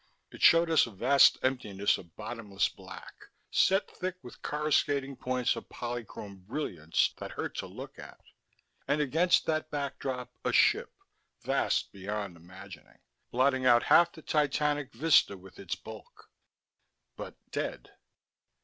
It showed us a vast emptiness of bottomless black, set thick with corruscating points of polychrome brilliance that hurt to look at. And against that backdrop: a ship, vast beyond imagining, blotting out half the titanic vista with its bulk But dead.